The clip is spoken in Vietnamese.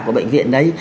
của bệnh viện đấy